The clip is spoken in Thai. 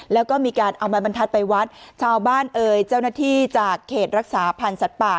แล้วก็มีการเอาไม้บรรทัศน์ไปวัดชาวบ้านเอ่ยเจ้าหน้าที่จากเขตรักษาพันธ์สัตว์ป่า